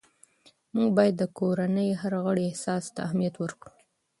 موږ باید د کورنۍ هر غړي احساس ته اهمیت ورکړو